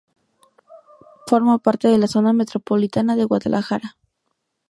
Forma parte de la Zona metropolitana de Guadalajara.